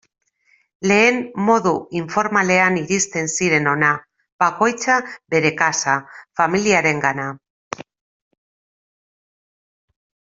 Lehen modu informalean iristen ziren hona, bakoitza bere kasa, familiarengana...